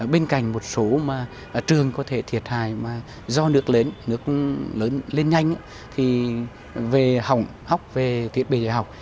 bên cạnh một số trường có thể thiệt hại do nước lên nhanh thì về học học về thiết bị dạy học